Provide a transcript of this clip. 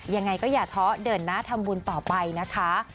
ยังไงก็อย่าท้อเดินหน้าทำบุญต่อไปนะคะ